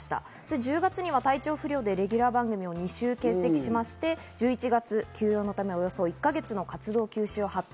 １０月には体調不良でレギュラー番組を２週欠席し、１１月に休養のため１か月の活動休止を発表。